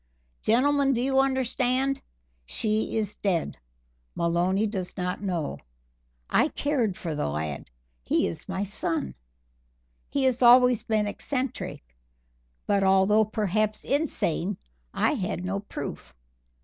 Gentlemen, do you understand? She is dead. Maloney does not know. I cared for the lad. He is my son. He always has been eccentric, but although perhaps insane, I had no proof.